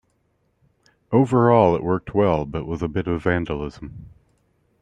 Overall it worked well but with a bit of vandalism.